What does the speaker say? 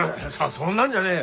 そんなんじゃねえ。